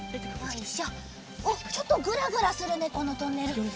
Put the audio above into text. おっちょっとぐらぐらするねこのトンネル。